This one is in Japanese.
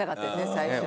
最初。